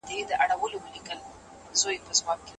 پښتون د هر ميلمه لپاره خپله غاړه خلاصوي.